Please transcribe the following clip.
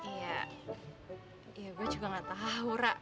ya ya gue juga nggak tahu ra